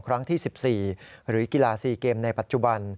ครั้งที่๑๔หรือกีฬา๔เกมในปัจจุบัน